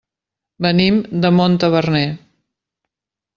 Venim de Montaverner.